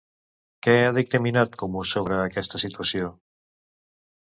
Què ha dictaminat Comú sobre aquesta situació?